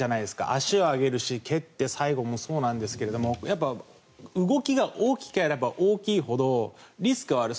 足を上げるし、蹴って最後もそうなんですけど動きが大きければ大きいほどリスクはある。